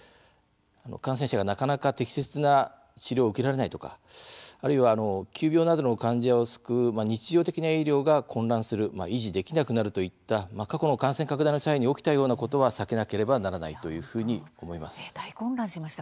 感染者がなかなか適切な治療を受けられないとかあるいは、急病などの患者を救う日常的な医療が混乱する維持できなくなるといった過去の感染拡大の際に起きたようなことは避けなければならないというふうに思います。